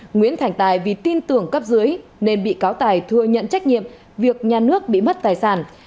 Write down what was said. nguyễn thành tài vì tin tưởng cấp dưới nên bị cáo tài thừa nhận trách nhiệm việc nhà nước bị mất tài sản